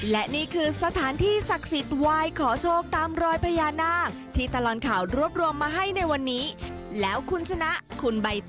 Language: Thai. และนี่คือสถานที่ศักดิ์สิทธิ์วายขอโชคตามรอยพญานาค